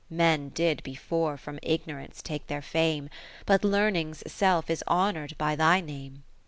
Men did before from Ignorance take their fame. But Learning's self is honour'd by thy name.